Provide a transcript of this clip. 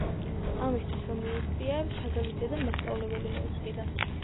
ამისთვის რომ მიეღწია, შაგალის დედამ მასწავლებელი მოისყიდა.